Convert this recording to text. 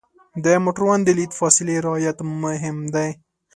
د موټروان د لید فاصلې رعایت مهم دی.